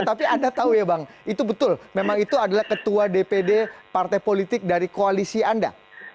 tapi anda tahu ya bang itu betul memang itu adalah ketua dpd partai politik dari koalisi anda